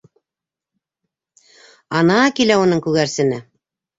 Ана килә уның күгәрсене!